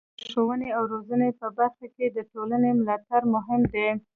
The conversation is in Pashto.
د ښوونې او روزنې په برخه کې د ټولنې ملاتړ مهم دی.